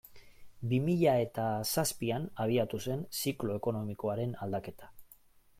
Bi mila eta zazpian abiatu zen ziklo ekonomikoaren aldaketa.